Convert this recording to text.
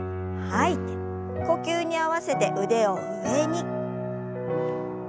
呼吸に合わせて腕を上に。